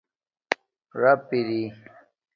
رپ اری